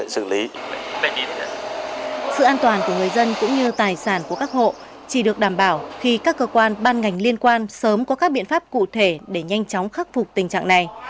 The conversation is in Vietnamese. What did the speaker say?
sự an toàn của người dân cũng như tài sản của các hộ chỉ được đảm bảo khi các cơ quan ban ngành liên quan sớm có các biện pháp cụ thể để nhanh chóng khắc phục tình trạng này